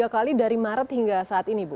tiga kali dari maret hingga saat ini bu